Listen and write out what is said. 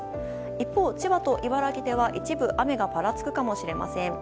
一方、千葉と茨城では一部雨がぱらつくかもしれません。